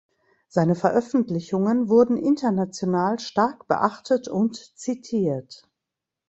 Seine Veröffentlichungen wurden international stark beachtet und zitiert.